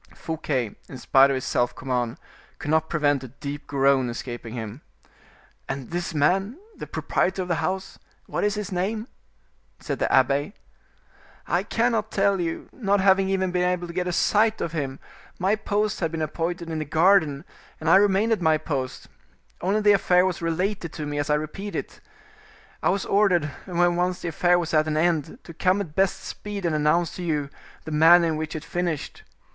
Fouquet, in spite of his self command, could not prevent a deep groan escaping him. "And this man, the proprietor of the house, what is his name?" said the abbe. "I cannot tell you, not having even been able to get sight of him; my post had been appointed in the garden, and I remained at my post: only the affair was related to me as I repeat it. I was ordered, when once the affair was at an end, to come at best speed and announce to you the manner in which it finished.